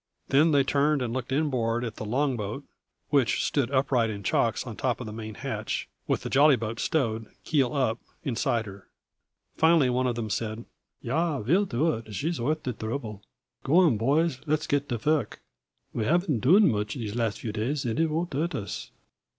Then they turned and looked inboard at the long boat, which stood upright in chocks, on top of the main hatch, with the jolly boat stowed, keel up, inside her. Finally one of them said: "Yah, ve'll do id; she's wort' de drouble. Gome on, poys, led's ged do vork; we haven'd done moosh dese lasd dwo days, und id von'd hurd us.